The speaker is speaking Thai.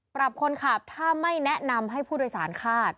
คนขับถ้าไม่แนะนำให้ผู้โดยสารคาด